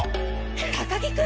高木君！